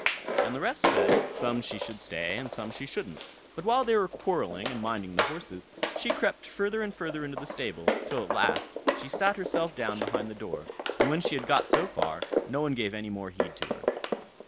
And the rest said, some she should stay, and some she shouldn't; but while they were quarrelling and minding the horses, she crept further and further into the stable, till at last she sat herself down behind the door; and when she had got so far, no one gave any more heed to her.